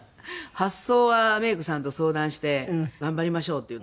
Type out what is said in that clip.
発想はメイクさんと相談して「頑張りましょう」って言って。